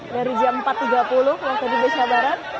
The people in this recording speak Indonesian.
dari jam empat tiga puluh waktu di besar barat